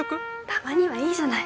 たまにはいいじゃない。